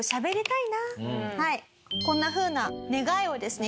こんなふうな願いをですね